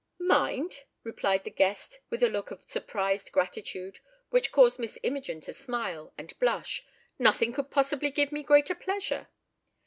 "Mind," replied the guest, with a look of surprised gratitude, which caused Miss Imogen to smile and blush. "Nothing could possibly give me greater pleasure."